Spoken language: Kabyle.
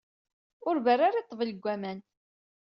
Ur berru ara i ṭṭbel deg aman.